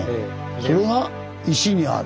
それが石にある。